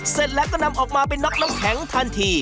เสร็จแล้วก็นำออกมาไปน็อกน้ำแข็งทันที